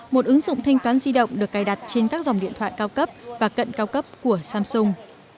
một ứng dụng thanh toán di động được cài đặt trên các dòng điện thoại cao cấp và cận cao cấp của samsung